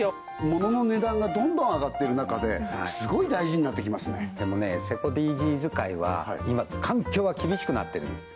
物の値段がどんどん上がってる中ですごい大事になってきますよねでもねセコＤＧｓ界は今環境は厳しくなってるんです